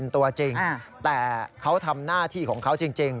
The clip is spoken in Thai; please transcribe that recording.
แต่เขาทำหน้าที่ของเขาจริง